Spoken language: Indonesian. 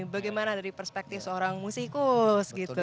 bagaimana dari perspektif seorang musikus gitu